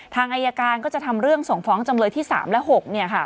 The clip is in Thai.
ทางอายการก็จะทำเล่งส่งฟ้องจำเลยที่๓และ๖เนี่ยค่ะ